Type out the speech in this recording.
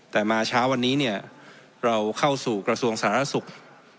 แต่มาเช้าวันนี้เนี่ยเราเข้าสู่กระทรวงสาธารณสุข